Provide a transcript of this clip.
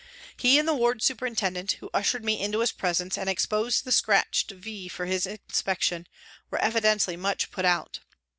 He and the ward superintendent, who ushered me into his presence and exposed the scratched " V " for his inspection, were evidently much put out.